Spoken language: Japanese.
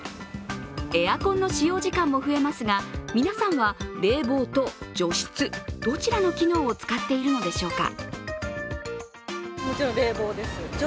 エアコンの使用時間も増えますが、皆さんは冷房と除湿どちらの機能を使っているのでしょうか？